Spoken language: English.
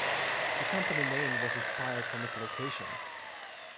The company name was inspired from its location.